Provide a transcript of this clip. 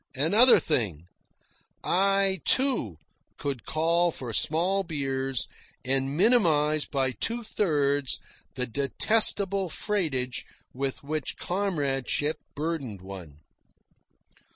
another thing! I, too, could call for small beers and minimise by two thirds the detestable freightage with which comradeship burdened one.